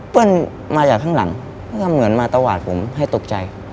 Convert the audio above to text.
เปิ้ลมาจากข้างหลังเริ่มเหมือนมาตะวัดผมให้ตกใจ